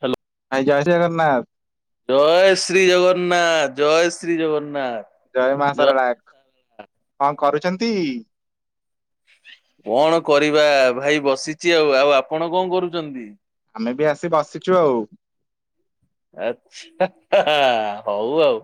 Hello! ଭାଇ ଜୟ ଜଗନ୍ନାଥ। ଜୟ ଶ୍ରୀ ଜଗନ୍ନାଥ! ଜୟ ଶ୍ରୀ ଜଗନ୍ନାଥ!। ଜୟ ମାଆ ସାରଳା! କଣ କରୁଛନ୍ତି-ଇ। କଣ କରିବା ଭାଇ ବସିଛି ଆଉ ଆଉ ଆପଣ କଣ କରୁଛନ୍ତି। ଆମେ ବି ଆସି ବସିଛୁ ଆଉ। ଆଛା ହଉ ଆଉ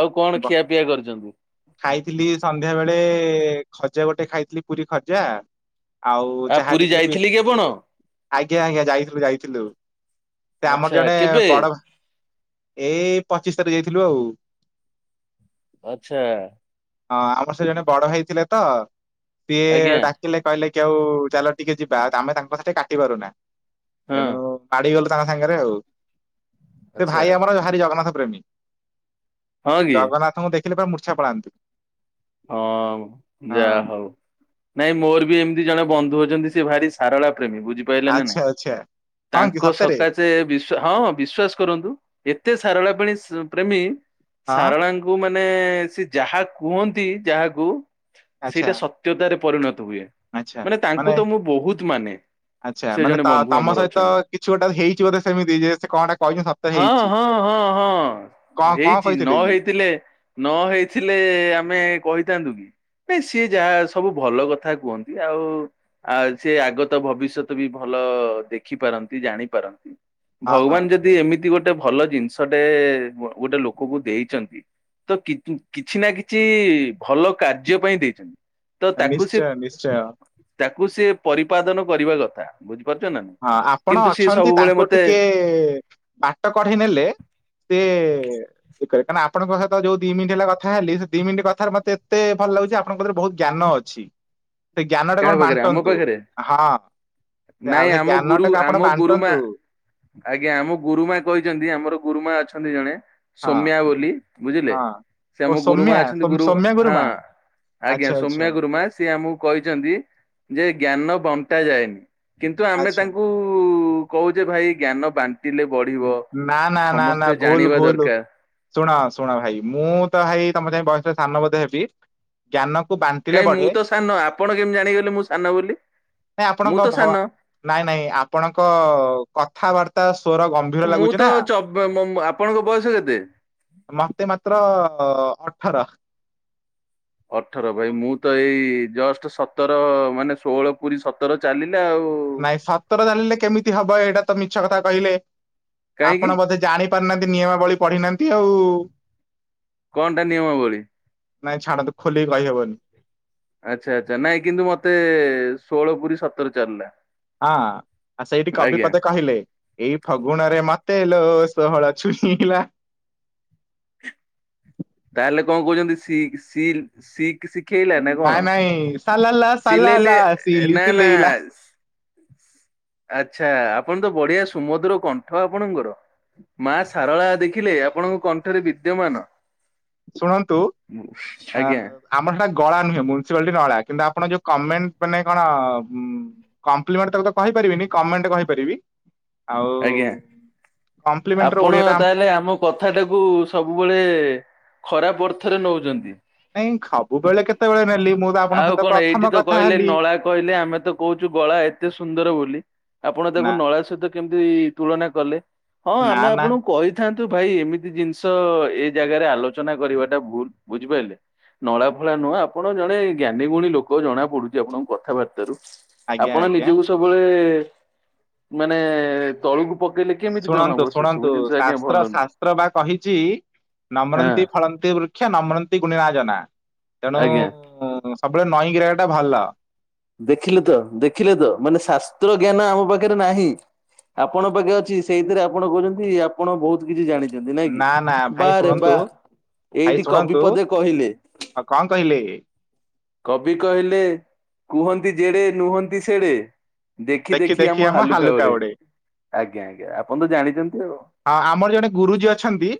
ଆଉ କଣ ବ ଖିଆପିଆ କରିଛନ୍ତି। ଖାଇଥିଲି ସନ୍ଧ୍ୟା ବେଳେ ଖଜା ଗୋଟେ ଖାଇଥିଲି ପୁରୀ ଖଜା ଆଉ ଆ ଚାହା ପୁରୀ ଟିକେ ପି ଯାଇଥିଲି କି ଆପଣ? ଆଜ୍ଞା ଆଜ୍ଞା ଯାଇଥିଲୁ ଯାଇଥିଲୁ ସେ ଆମର ଆଚ୍ଛା ଜଣେ କେବେ ବଡ ଏଇ ପଚିଶ ତାରିଖ ଯାଇଥିଲୁ ଆଉ। ଆଚ୍ଛା ହଁ ଆମର ସେ ଜଣେ ବଡ ଭାଇ ଥିଲେ ତ ସିଏ ଆଜ୍ଞା ଡାକିଲେ କହିଲେ କି ଆଉ ଚାଲ ଟିକେ ଯିବା ଆମେ ତାଙ୍କ କଥା ଟିକେ କାଟି ପାରୁନା। ହଁ ଏଣୁ ମାଡିଗଲୁ ତାଙ୍କ ସାଙ୍ଗରେ ଆଉ ସେ ଆଚ୍ଛା ଭାଇ ଆମର ହାର ଜଗନ୍ନାଥ ପ୍ରେମୀ ହଁ କି ଜଗନ୍ନାଥଙ୍କୁ ଦେଖିଲେ ପୁରା ମୂର୍ଛା ପଳାନ୍ତୁ। ହଁ ଯାହା ହଉ ନାଇଁ ମୋର ବି ଏମିତି ଜଣେ ବନ୍ଧୁ ଅ ସେ ଭାରି ସାରଳା ପ୍ରେମୀ ବୁଝିପାରିଲେ ନା ନାଇଁ ଆଚ୍ଛା ଆଚ୍ଛା ହଁ କି ତାଙ୍କ ସତରେ ସକାଶେ ବି୍ ହଁ ବିଶ୍ଵାସ କରନ୍ତୁ ଏତେ ସାରଳା ପାଣି ପ୍ରେମୀ ହଁ ସାରଳାଙ୍କୁ ମାନେ ସେ ଯାହା କୁହନ୍ତି ଯାହାକୁ ଆଚ୍ଛା ସେଇଟା ସତ୍ୟତାରେ ପରିଣତ ହୁଏ ମାନେ ତାଙ୍କୁ ତ ମୁଁ ବହୁତ ମାନେ। ଆଚ୍ଛା ସେ ମାନେ ଜଣେ ତ ବନ୍ଧୁ ତମ ଆମର ସହିତ ଅଛନ୍ତି। କିଛି ଗୋଟେ ହେଇଛି ବୋଧେ ସେମିତି ଯେ ସେ କଣଟା କହିନ ସତ ହଁ ହେଇଛି। ହଁ ହଁ ହଁ କଣ କଣ ହେଇଛି ନ କହିଥିଲେ କି ହେଇଥିଲେ ନ ହେଇଥିଲେ ଆମେ କହିଥାନ୍ତୁ। ସିଏ ଯାହା ସବୁ ଭଲ କଥା କୁହନ୍ତି ଆଉ ସି ଆଗତ ଭବିଷ୍ୟତ ବି ଭଲ। ଦେଖିପାରନ୍ତି ଜାଣିପାରନ୍ତି ହଁ ହଁ ଭଗବାନ ଯଦି ଏମିତି ଗୋଟେ ଗୋଟେ ଭଲ ଜିନିଷଟେ ଗୋଟେ ଲୋକକୁ ଦେଇଛନ୍ତି ତ କିଛି ନା କିଛି କିଛି ଭଲ କାର୍ଯ୍ୟ ପାଇଁ ଦେଇଛନ୍ତି। ତ ତାକୁ ସେ ନିଶ୍ଚୟ ନିଶ୍ଚୟ। ତାକୁ ସିଏ ପରିପାଦନ କରିବା ଦରକାର। ହଁ ଆପଣ ଅଛନ୍ତି ତାଙ୍କୁ ମତେ ଟିକେ ବାଟ କଢ଼େଇ ନେଲେ ସିଏ ଏ କାରଣ ଆପଣଙ୍କ ପାଖରେ ଯୋଉ ଦି ମିନିଟ ହେଲା କଥା ହେଲି ସେ ଦି ମିନିଟ କଥାରେ ମତେ ଭଲ ଲାଗୁଛି ଆପଣଙ୍କ ବହୁତ ଜ୍ଞାନ ଅଛି। ସେ ଜ୍ଞାନ ଟାକୁ ଆପଣ କାହା ପାଖରେ ଆମ ବାଣ୍ଟନ୍ତୁ ପାଖରେ ହଁ ସେ ଆଉ ନାଇଁ ସେ ଆମକୁ ଜ୍ଞାନ ଗୁରୁ ଟାକୁ ଆପଣ ଆମ ଗୁରୁମା ବାଣ୍ଟନ୍ତୁ ଆଜ୍ଞା ଆମ ଗୁରୁମା କହିଛନ୍ତି ଆମର ଗୁରୁମା ଅଛନ୍ତି ଜଣେ ହଁ ସୋମ୍ୟା ବୋଲି ବୁଝିଲେ ହଁ ସେ ଓ ଆମ ସୌମ୍ୟା ଗୁରୁମା ଅଛନ୍ତି ସୌମ୍ ଗୁରୁ ସୌମ୍ୟା ହଁ। ଗୁରୁମା ଆଜ୍ଞା ଆଚ୍ଛା ଆଚ୍ଛା ସୌମ୍ୟା ଗୁରୁମା ସିଏ ଆମକୁ କହିଛନ୍ତି ଯେ ଜ୍ଞାନ ବଂଟା ଯାଏ। କିନ୍ତୁ ଆମେ ଆଚ୍ଛା ତାଙ୍କୁ କହୁଛେ ଭାଇ ଜ୍ଞାନ ବାଣ୍ଟ ନା ନା ନା ନା ଭୁଲ ଜାଣିବା ଭୁଲ ଦରକାର ଶୁଣ ଶୁଣ ଭାଇ ମୁଁ ତ ଭାଇ ତମ ସାଙ୍ଗ ବୟସରେ ସାନ ବୋଧ ହେବି ଜ୍ଞାନ କାଇ ମୁଁ ତ ସାନ ଆପଣ କେମିତି ଜାଣିଗଲେ ମୁଁ ସାନ ବୋଲି ନାଇଁ ମୁଁ ଆପଣଙ୍କ ତ ଭ ସାନ ନାଇଁ ନାଇଁ ଆପଣଙ୍କ କଥାବାର୍ତ୍ତା ସ ମୁଁ ତ ଚ ଏମ୍ ମ ଆପଣଙ୍କ ବୟସ କେତେ? ମୋତେ ମାତ୍ର ଅଠର। ଅଠର ଭାଇ ମୁଁ ତ ଏଇ ଜଷ୍ଟ ସତର ମାନେ ଷୋହଳ ପୁରୀ ସତର ଚାଲିଛି। ନାଇଁ ସତର ଚାଲିଲେ କେମିତି ହବ ଏଇଟା ତ ମିଛ କଥା କହିଲେ। କାହିଁକି ଆପଣ ବୋଧେ ଜାଣି ପାରୁନାହାନ୍ତି ନିୟମାବଳୀ ପଢିନାହାନ୍ତି ଆଉ। କଣଟା ନିୟମାବଳି। ନାଇଁ ଛାଡନ୍ତୁ ଖୋଲିକି କହିହବନି। ଆଚ୍ଛା ଆଚ୍ଛା ନାଇଁ କିନ୍ତୁ ମୋତେ ଷୋହଳ ପୁରୀ ସତର ଚାଲିଲା। ହଁ ଆ ସେଇଠି ଆଜ୍ଞା କବିପଦେ କହିଲେ, ଏଇ ଫଗୁଣରେ ମତେ ଲୋ- ଷୋହଳ ଛୁଇଁଲା। ତାହେଲେ କଣ କହୁଛନ୍ତିିିି ସିଲ ଶିଖ ଶିଖେଇଲା ନା ନାଇଁ କଣ? ନାଇଁ ସାଲାଲା ସିଲେଇଲେ ସାଲାଲା ସିଲି ନା ନା ସିଲେଇଲା ଆଚ୍ଛା ଆ। ଆପଣ ତ ବଢିଆ ସୁମଧୁର କଣ୍ଠ ଆପଣଙ୍କର। ମା ସାରଳା ଦେଖିଲେ ଆପଣଙ୍କ କଣ୍ଠରେ ବିଦ୍ୟମାନ। ଶୁଣନ୍ତୁ ଆ ଆଜ୍ଞା ଆମର ସେଟା ଗଳା ନୁହେଁ। ମୁନ୍ସିପାଲିଟି ନଳା। କିନ୍ତୁ ଆପଣ ଯୋଉ କମେଣ୍ଟ୍ ମାନେ କଣ ଉ କମ୍ପ୍ଲିମେଣ୍ଟ ତାକୁ କହିପାରିବିନି। କମେଣ୍ଟ୍ କହିପାରିବି। ଆଜ୍ଞା ଆଉ କମ୍ପ୍ଲିମେଣ୍ଟର ଆପଣ ଓଡିଆଟା ତାହେଲେ ଆମ କଥା ଟାକୁ ସବୁବେଳେ ଖରାପ ଅର୍ଥରେ ନଉଚନ୍ତି। ନାଇଁ ସବୁବେଳେ କେତେବେଳେ ନେଲି ମୁଁ ତ ଆପଣଙ୍କ ଆଉ ସହିତ କଣ ପ୍ରଥମ ଏଇଠି ତ କଥା କହିଲେ ହେଲି ନଳା କହିଲେ ଆମେ ତ କହୁଚୁ। ଗଳା ଏତେ ସୁନ୍ଦର ବୋଲି। ଆପଣ ତାକୁ ନା ନଳା ସହିତ କେମିତି ତୁଳନା କଲେ। ହଁ ନା ଆମେ ନା ଆପଣଙ୍କୁ କହିଥା ତୁ ଭାଇ ଏମିତି ଜିନିଷ ଏଇ ଜାଗାରେ ଆଲୋଚନା କରିବାଟା ଭୁଲ୍ ବୁଝିପାଇଲେ। ନଳା ଫଳା ନୁହଁ ଆପଣ ଜଣେ ଜ୍ଞାନୀ ଗୁଣୀ ଲୋକ ଜଣା ପଡୁଚି ଆପଣଙ୍କ କଥାବାର୍ତ୍ତାରୁ। ଆଜ୍ଞା ଆପଣ ଆଜ୍ଞା ନିଜକୁ ସବୁବେଳେ ମାନେ ତଳୁକୁ ଶୁଣନ୍ତୁ ଶୁଣନ୍ତୁ ଭଲ ଶାସ୍ତ୍ର ନୁହଁ। ଶାସ୍ତ୍ର ବା କହିଚି। ହଁ ନମ୍ରନ୍ତି ଫଳନ୍ତି ବୃକ୍ଷା ନମ୍ରନ୍ତି ଗୁଣିଆର ଜନା। ତେଣୁ ଆଜ୍ଞା। ସବୁବେଳେ ନଇଁ କି ରହିବାଟା ଭଲ। ଦେଖିଲୁ ତ ଦେଖିଲେ ତ ମାନେ ଶାସ୍ତ୍ର ଜ୍ଞାନ ଆମ ପାଖରେ ନାହିଁ। ଆପଣଙ୍କ ପାଖେ ଅଛି। ସେଇଥିରେ ଆପଣ କହୁଛନ୍ତି ଆପଣ ବହୁତ କିଛି ଜାଣି ନ୍ତି ନାଇଁ କି ନା ନା ଭାଇ ବାରେ ବା। ଶୁଣନ୍ତୁ ଭାଇ ଏଇଠି କବି ଶୁଣନ୍ତୁ ପଦେ କହିଲେ। ଆଉ କଣ କହିଲେ କବି କହିଲେ କୁହନ୍ତି ଜେଡେ ନୁହନ୍ତି ସେଡେ। ଦେଖି ଦେଖି ଆମ ହାଲୁକା ଘରେ। ଆଜ୍ଞା ଆଜ୍ଞା ଆପଣ ତ ଜାଣିଛନ୍ତି ଆଉ। ଆ ଆମର ଜଣେ ଗୁରୁଜୀ ଅଛନ୍ତି।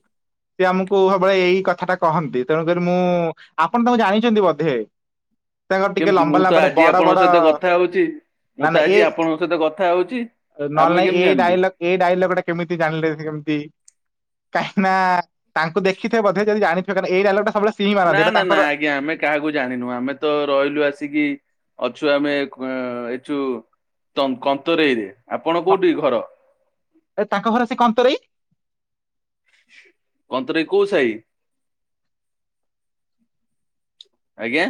ସେ ଆମୁକୁ ସବୁବେଳେ ଏଇ କଥା ଟା କହନ୍ତି। ତେଣୁକରି ମୁଁ ଆପଣ ତାଙ୍କୁ ଜାଣିଚନ୍ତି ବଧେ। ତାଙ୍କର ଟିକେ କେମିତି ଲମ୍ବା ମୁଁ ତ ଲମ୍ବାରେ ଆଜି ବଡ ଆପଣଙ୍କ ବଡ ସହିତ କଥା ହଉଛି। ମୁଁ ନାଁ ତ ନାଁ ଏ ଆଜି ଆପଣଙ୍କ ସହିତ କଥା ହଉଛି। ଆଉ ନଅଲେ ମୁଁ ନାଇଁ କେମିତି ଏ ଜାଣିଲି? ଡାଇଲଗ୍ ଏଇ ଡାଇଲଗ୍ ଟା କେମିତି ଜାଣିଲେ। ସେ ନ୍ତି କାହିଁନା ତାଙ୍କୁ ଦେଖିଥିବେ ବଧେ ଯଦି ଜାଣିଥିବେ କାରଣ ଏଇ ଡାଇଲଗ ଟା ନାଁ ନାଁ ନାଁ ଆଜ୍ଞା ଆମେ କାହାକୁ ଜାଣିନୁ। ଆମେ ତ ରହିଲୁ ଆସିକି ଅଛୁ ଆମେ ଏଛୁ ନ୍ତ କନ୍ତରେଇରେ। ଆପଣ କ କୋଉଠି ଘର? ଏ ତାଙ୍କ ଘର ସେ କନ୍ତରେଇ କନ୍ତରେଇ କୋଉ ସାହି? ଆଜ୍ଞା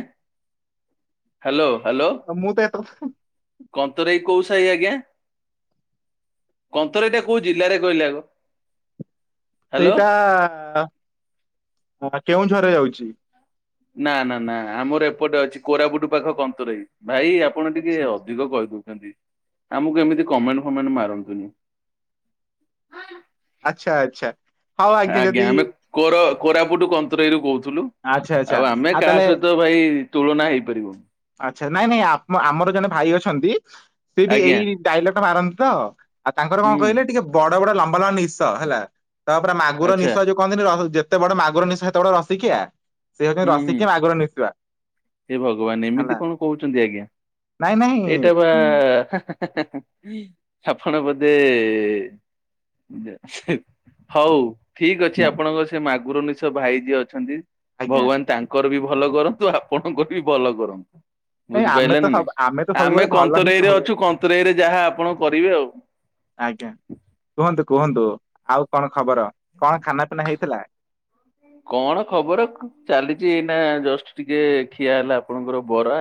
ହାଲୋ। ଅ ମୁଁ ତ ଏତେ କଥା କନ୍ତରେଇ କୋଉ ସାଇ ଆଜ୍ଞା? କନ୍ତରେଇଟା କୋଉ ଜିଲ୍ଲାରେ କହିଲେ ଆଗ? ହ୍ୟାଲୋ ସେଇଟା କେଉଁଝରରେ ଯାଉଚି। ନାଁ ନାଁ ନାଁ ଆମର ଏପଟେ ଅଛି କୋରାପୁଟୁ ପାଖ କନ୍ତରେଇ। ଭାଇ ଆପଣ ଟିକେ ଆଚ୍ଛା ଆଚ୍ଛା। ଅଧିକ କହିଦ ଚନ୍ତି ଆମକୁ ଏମିତି କମେଣ୍ଟ୍ ଫମେଣ୍ଟ୍ ମାରନ୍ତୁନି। ଆଚ୍ଛା ଆଚ୍ଛା। ହଉ ଆଜ୍ଞା ଯଦି ଆମେ କୋର କୋରାପୁଟୁ କନ୍ତରେଇରୁ କହୁ ଥୁଲୁ ଆଚ୍ଛା ଆଚ୍ଛା ଆଉ ଆମେ କାହା ତାହେଲେ ସହିତ ଭାଇ ତୁଳନା ହେଇପାରିବୁନି। ଆଚ୍ଛା ନାଇଁ ନାଇଁ ଆପ ଆମର ଜଣେ ଭାଇ ଅଛନ୍ତି। ସେ ବି ଆଜ୍ଞା ଏଇ ଡାଇଲଗ ଟା ମାର ତ ଆଉ ତାଙ୍କର କଣ ହୁଁ କହିଲେ ଟିକେ ବଡ ବଡ ଲମ୍ବା ଲମ୍ବା ନିଶ ହେଲା। ତାପରେ ମାଗୁର ଆଚ୍ଛା ନିଶ ଯୋଉ କହନ୍ତିିନି ଯେତେ ବଡ ମାଗୁର ନିଶ ସେତେ ବଡ ରସିକିଆ। ସେ ହଉଚନ୍ତି ହୁଁ ରସିକେ ମାଗୁର ନିଶୁଆ। ମାନେ ଏମିତି ହେଲା କଣ କହୁଚନ୍ତି ଆଜ୍ଞା। ନାଇଁ ଏଇଟା ବା ନାଇଁ ହା ହା। ହା ହା ହା ଆପଣ ବଧେ ଯେ ହଉ। ଠିକ ଅଛି ଆଜ୍ଞା ଆପଣଙ୍କ ସେ ମାଗୁର ନିଶ ଭାଇ ଯିଏ ଅଛନ୍ତି ଆଜ୍ଞା ଭଗବାନ ତାଙ୍କର ବି ଭଲ କରନ୍ତୁ ଆପଣଙ୍କର ବି ଭଲ କରନ୍ତୁ। ନାଇଁ ଆମେ ବୁଝିପାଇଲେ ତ ନା ନାଇଁ ସବୁ ତ ଆମେ ସବୁବେଳେ ଭଲ ହିଁ କନ୍ତରେଇ ରେ କହୁ ଅଛୁ କନ୍ତରେଇରେ ଯାହା ଆପଣ କରିବେ ଆଉ। ଆଜ୍ଞା କୁହନ୍ତୁ। କୁହନ୍ତୁ ଆଉ କଣ ଖବର କଣ ଖାନା ପିନା ହେଇଥିଲା? କଣ ଖବର ଚାଲିଚି ଏଇନା ଜଷ୍ଟ ଟିକେ ଖିଆ ହେଲା ଆପଣଙ୍କର ବରା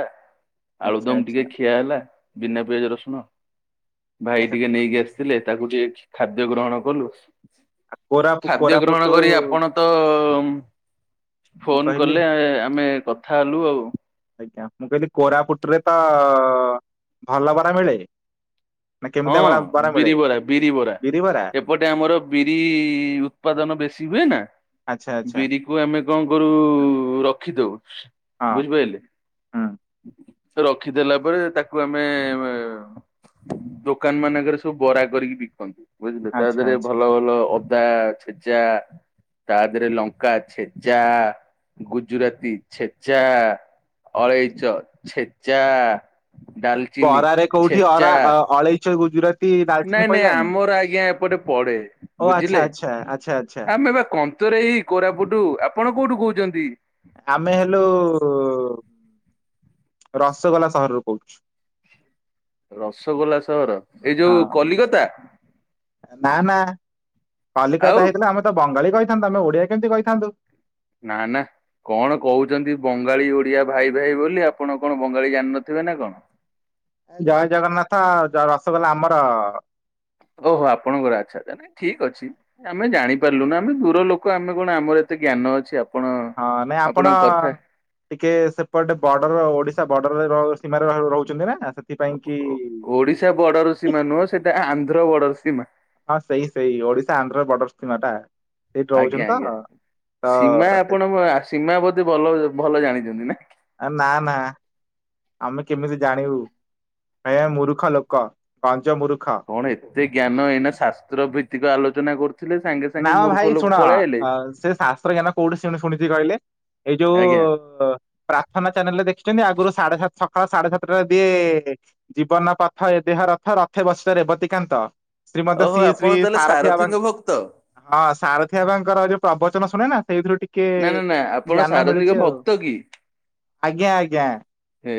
ଆଚ୍ଛା ଆଳୁଦମ ଟିକେ ଆଚ୍ଛା ଖିଆ ହେଲା ବିନା ପିଆଜ ରସୁଣ ଭାଇ ଆଚ୍ଛା ଟିକେ ନେଇକି ଆସିଥିଲେ। ତାକୁ ଟିକେ ଖାଦ୍ୟ ଗ୍ରହଣ କଲୁ କୋରାପୁ ଖାଦ୍ୟ ଗ୍ରହଣ କୋରାପୁଟୁ କରି ଆପଣ ତ ତମ୍ ମୁଁ ଫୋନ କହିଲି କଲେ ଆମେ କଥା ହେଲୁ ଆଉ ଆଜ୍ଞା ମୁଁ କହିଲି କୋରାପୁଟରେ ତ ଭଲ ବରା ମିଳେ। ନା ହଁ କେମିତିଆ ବରା ବରା ମିଳେ ବିରିିବରା ବିରିିବରା ବିରି ବରା ଏପଟେ ଆମର ବିରି ଉତ୍ପାଦନ ବେଶୀ ହୁଏ ନା। ଆଚ୍ଛା ଆଚ୍ଛା ବିରି କୁ ଆମେ କଣ କରୁ ରଖିଦଉ ହଁ ବୁଝିପାଇଲେ। ହୁଁ ରଖିଦଲା ପରେ ତାକୁ ଆମେ ଦୋକାନ ମାନଙ୍କରେ ସବୁ ବରା କରିକି ବିକନ୍ତି ବୁଝିଲେ ତା ଆଚ୍ଛା ଦେହରେ ଆଚ୍ଛା ଭଲ ଭଲ [unintelligible] ତା ଦେହରେ ଲଙ୍କା ଛେଚା ଗୁଜୁରାତି ଛେଚା। ଅଳେଇଚ ଛେଚା ଡାଲଚିନି ଵରାରେ କୋଉଠି ଅରା ଛେଚା ଅଳେଇଚ ଗୁଜୁରା ନାଇଁ ନାଇଁ ଆମର ଆଜ୍ଞା ଏପଟେ ପଡେ ଓ ଆଚ୍ଛା ବୁଝିଲେ। ଆଚ୍ଛା ଆଚ୍ଛା ଆଚ୍ଛା ଆମେ ପି କ [unintelligible] ଉତରେ ଏଇ କୋରାପୁଟୁ ଆପଣ କୋଉଠୁ କହୁଛନ୍ତି? ଆମେ ହେଲୁ ରସଗୋଲା ସହରରୁ କହୁଛୁ। ରସଗୋଲା ସହର ଏଇ ହଁ ଯୋଉ କଲିକତା। ନା ନା ଆଉ କଲିକତା ହେଇଥିଲେ ଆମେ ତ ବଙ୍ଗାଳୀ କହିଥାନ୍ତୁ ଆମେ ଓଡିଆ କେମିତି କହିଥାନ୍ତୁ। ନା ନା। କଣ କହୁଛନ୍ତି ବଙ୍ଗାଳୀ ଓଡିଆ ଭାଇ ଭାଇ ବୋଲି ଆପଣ କଣ ବଙ୍ଗାଳୀ ଜାଣିନଥିବେ ନା କଣ? ଯ ରସଗୋଲା ଆମର ଓହୋ ଆପଣଙ୍କର ଆଚ୍ଛା ଠିକ ଅଛି ଆମେ ଜାଣି ପାରିଲୁନି ଆମେ ଦୂର ଲୋକ ଆମେ କଣ ଆମର ଏତେ ଜ୍ଞାନ ଅଛି। ଆପଣ ହଁ ନାଇଁ ଆପଣ ଆପଣଙ୍କ କଥା ଟିକେ ସେପଟେ ବର୍ଡର ଓଡିଶା ବର୍ଡରରେ ର ସୀମାରେ ରହୁଛନ୍ତି ନା। ସେଥିପାଇଁ କି ଓଡିଶା ବଡର ସୀମା ନୁହଁ ସେଟା ଆନ୍ଧ୍ର ବଡର ସୀମା। ହଁ ସେଇ ସେଇ ଓଡିଶା ଆନ୍ଧ୍ର ବର୍ଡର ସୀମା ଟା ସେଇଠି ଆଜ୍ଞା ରହୁଛନ୍ତି ତ ଆଜ୍ଞା ତ ସୀମା ସେ ଆପଣ ସୀମା ବତେ ଭଲ ଭଲ ଜାଣିଛନ୍ତି ନା। ନା ନା। ଆମେ କେମିତି ଜାଣିବୁ ଆଜ୍ଞା ମୁୂରୁଖ ଲୋକ ମୂର୍ଖ। କଣ ଏତେ ଜ୍ଞାନ ଏଇନା ଶାସ୍ତ୍ର ଭିତ୍ତିକ ଆଲୋଚନା କରୁ ନା ଭାଇ ଶୁଣ ସେ ଶାସ୍ତ୍ର ଜ୍ଞାନ କୋଉଠି ଶୁଣିଛି କହିଲେ ଏଇ ଯୋଉ ଆଜ୍ଞା ପ୍ରାର୍ଥନା ଚ୍ୟାନେଲରେ ଦେଖିଛନ୍ତି ଆଗରୁ ସାଢେ ସାତ ସାଢେ ସାତଟାରେ ଦିଏ ଜୀବନ ପଥ ଏ ଦେହ ରଥ ରଥ ବସିିଲ ରେବତୀକାନ୍ତ। ଶ୍ରୀମନ୍ତ ଓହୋ ସି ଆପଣ ଶ୍ରୀ ତାହେଲେ ସାରଥି ବାବା ସାରଥିୀଙ୍କ ଭକ୍ତ? ହଁ ସାରଥିଆ ବାଙ୍କର ଯୋଉ ପ୍ରବଚନ ଶୁଣେ ନା ସେଇଥିରୁ ଟିକେ ନା ନା ନା ଆପଣ ଜ୍ଞାନ ସାରଥିଙ୍କ ମିଳୁଛି ଆଉ ଭକ୍ତ କି? ଆଜ୍ଞା ଆଜ୍ଞା। ହେ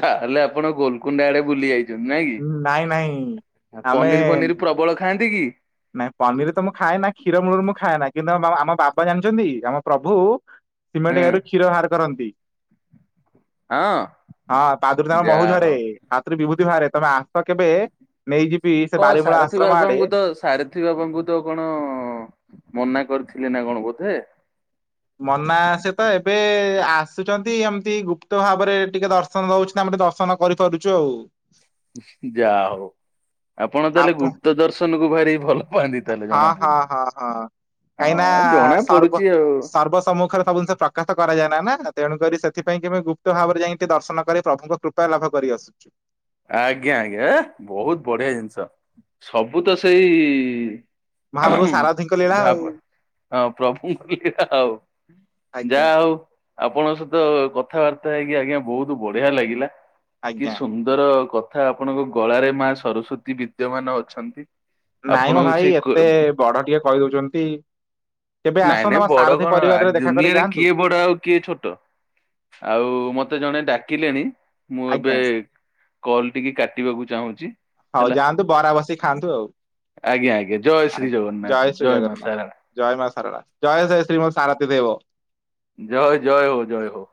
ତାହେଲେ ଆପଣ ଗୋଲକୁଣ୍ଡା ଆଡେ ବୁଲି ଯାଇଛି। ନାଇଁ ନାଇଁ ନାଇଁ କି ଆମେ ପନିର ଫନିର ପ୍ରବଳ ଖାଆନ୍ତି। କି? ନାଇଁ ପନିର ତ ମୁଁ ଖାଏ ନା କ୍ଷୀର ମୂଳରୁ ମୁଁ ଖାଏନାଁ କିନ୍ତୁ ଆମ ବା ପା ଜାଣିଛନ୍ତି ଆମ ପ୍ରଭୁ ସିମେଣ୍ଟ ହୁଁ ୟାରୁ କ୍ଷୀର ବାହାର କରନ୍ତି। ହଁ ହଁ ପାଦରୁ ତାଙ୍କ ମହୁ ଯାହା ଝରେ ହଉ। ହାତରୁ ବିଭୂତି ବାହାରେ ତମେ ଆ ତ କେବେ ନେଇଯିବି ସେ ବାରିମୂଳା ଆଶ୍ରମ ଆଡେ ସାରଥି ବାବାଙ୍କୁ ତ କଣ ମନା କରିଥିଲେ ନା କଣ ବୋଧେ। ମନା ସେ ତ ଏବେ ଆ ଆସୁଛନ୍ତି ଏମିତି ଗୁପ୍ତ ଭାବରେ ଟିକେ ଦର୍ଶନ ଦଉଛନ୍ତି ଆମେ ଟିକେ ଦର୍ଶନ କରିପାରୁଛୁ ଆଉ। ଉହୁଁ ଯା ହଉ ଆପଣ ତାହେଲେ ଆପ ଗୁପ୍ତ ଦର୍ଶନ କୁ ଭାରି ଭଲ ପାଆନ୍ତି ତାହେଲେ ହଁ ଜଣା ହଁ ପଡୁଛି। ହଁ ହଁ। କାହିଁକି ନା ହଁ ଜଣା ସର୍ବ ପଡୁଛି ଆଉ ସର୍ବ ସମ୍ମୁଖରେ ସବୁ ଜିନିଷ ପ୍ରକାଶ କରାଯାଏ ନାହିଁ ନା। ତେଣୁକରି ସେଥିପାଇଁ କି ମୁ ଗୁପ୍ତ ଭାବରେ ଯାଇକି ଦର୍ଶନ କରି ପ୍ରଭୁଙ୍କ କୃପା ଲାଭ କରି ଆସୁଛୁ। ଆଜ୍ଞା ଆଜ୍ଞା ବହୁତ ବଢିଆ ଜିନିଷ ସବୁ ତ ସେଇ ମହାପ୍ରଭୁ ଅହଂ ସାରଥିୀଙ୍କ ଲୀଳା [unintelligible] ଆଉ ହଁ ପ୍ରଭୁଙ୍କ ଲୀଳା ଆଉ ଜା ଆଜ୍ଞା ହଉ। ଆପଣଙ୍କ ସହିତ କଥାବାର୍ତ୍ତା ହେଇକି ଆଜ୍ଞା ବହୁତ ବଢିଆ ଲାଗିଲା କି ଆଜ୍ଞା। ସୁ ର କଥା ଆପଣଙ୍କ ଗଳାରେ ମା ସରସ୍ଵତୀ ବିଦ୍ୟମାନ ଅଛନ୍ତି। ନାଇଁ ମୋ ଆପଣଙ୍କୁ ସେ ଭାଇ ଏତେ ବଡ ଟିକେ କହି ଦଉଛନ୍ତି। ନାଇଁ ନାଇଁ ବଡ କଣ କରି ଦୁନିଆରେ ଯାଆନ୍ତୁ। କିଏ ବଡ ଆଉ କିଏ ଛୋଟ? ଆଉ ମତେ ଜଣେ ଡାକିଲେଣି ମୁଁ ଏବେ ଆଜ୍ଞା କଲ ଟିକେ କାଟିବାକୁ ଚାହୁଁଛି। ହଉ ହେଲା ଯାଆନ୍ତୁ ବରା ବସି ଖାଆନ୍ତୁ ଆଉ। ଆଜ୍ଞା ଆଜ୍ଞା ଜୟ ଶ୍ରୀ ଆଜ୍ଞା ଜଗନ୍ନାଥ ଜୟ ଶ୍ରୀ ମା ଜଗନ୍ନାଥ ସାରଳା ଜୟ ମା ସାରଳା ଜୟ ଜୟ ଶ୍ରୀ ମ ସରଥି ଦେ ଦେବ। ଜୟ ଜୟ ହୋ ଜୟ ହୋ।